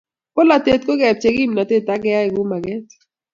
Bolatet ko kebchey kimnatet ak keyai kou maket